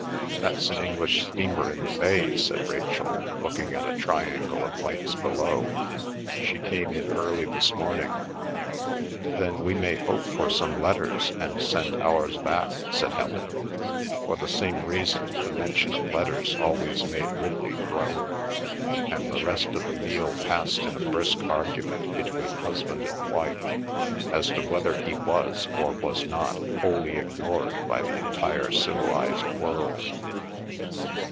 "That's an English steamer in the bay," said Rachel, looking at a triangle of lights below. "She came in early this morning." "Then we may hope for some letters and send ours back," said Helen. For some reason the mention of letters always made Ridley groan, and the rest of the meal passed in a brisk argument between husband and wife as to whether he was or was not wholly ignored by the entire civilised world.